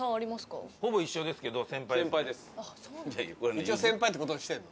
一応先輩ってことにしてんの？